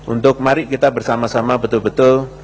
untuk mari kita bersama sama betul betul